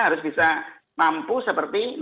harus bisa mampu seperti